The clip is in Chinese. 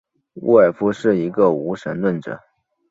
沃尔夫是一个无神论者。